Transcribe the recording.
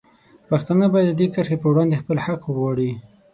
پښتانه باید د دې کرښې په وړاندې خپل حق وغواړي.